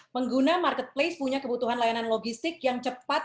pengguna marketplace punya kebutuhan layanan logistik yang cepat